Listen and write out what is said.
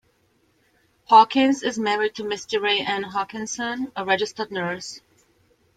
Hawkins is married to Misti Rae Ann Hokanson, a registered nurse.